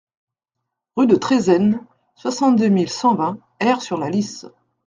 Rue de Trézennes, soixante-deux mille cent vingt Aire-sur-la-Lys